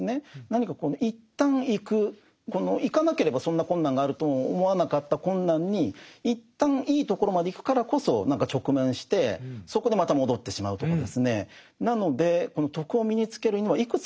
何か一旦行く行かなければそんな困難があるとも思わなかった困難に一旦いいところまで行くからこそ何か直面してそこでまた戻ってしまうとかですね。